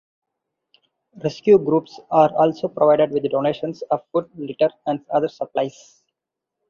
Rescue groups are also provided with donations of food, litter, and other supplies.